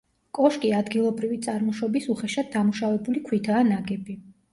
კოშკი ადგილობრივი წარმოშობის უხეშად დამუშავებული ქვითაა ნაგები.